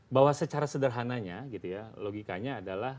jadi bahwa secara sederhananya gitu ya logikanya adalah